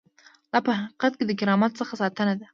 دا په حقیقت کې د کرامت څخه ساتنه ده.